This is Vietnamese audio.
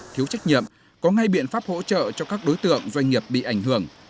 thiếu trách nhiệm có ngay biện pháp hỗ trợ cho các đối tượng doanh nghiệp bị ảnh hưởng